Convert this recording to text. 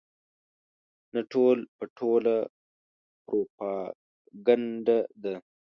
نه ټول په ټوله پروپاګنډه ده.